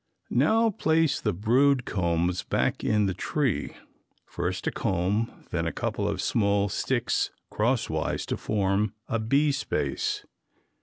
Now place the brood combs back in the tree. First a comb then a couple of small sticks crosswise to form a bee space.